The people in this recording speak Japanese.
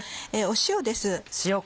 塩です。